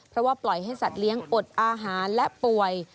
เพราะว่าปล่อยให้สัตว์อดอาหารและป่วย